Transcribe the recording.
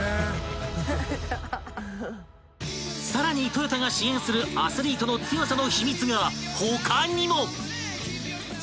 ［さらにトヨタが支援するアスリートの強さの秘密が他にも］